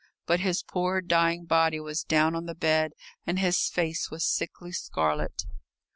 But his poor dying body was down on the bed and his face was sickly scarlet.